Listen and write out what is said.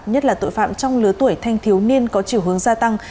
nhất là tội phạm trong lứa tuổi thanh thiếu niên có chiều hướng gia tăng